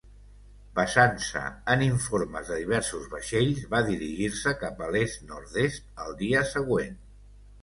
Basant-se en informes de diversos vaixells, va dirigir-se cap a l'est-nord-est al dia següent.